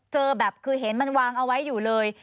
เจอแบบคือเห็นมันวางเอาไว้อยู่เลย